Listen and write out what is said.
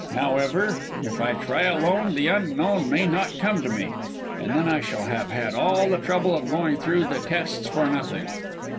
However, if I try alone, the Unknown may not come to me, and then I shall have had all the trouble of going through the tests for nothing!...